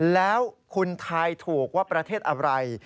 แล้วคุณทายถูกว่าประเทศอะไร